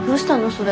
それ。